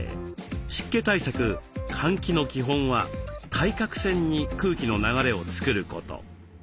湿気対策換気の基本は対角線に空気の流れを作ること。